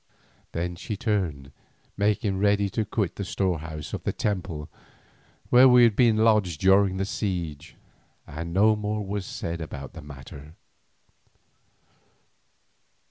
'" Then she turned, making ready to quit the storehouse of the temple where we had been lodged during the siege, and no more was said about the matter.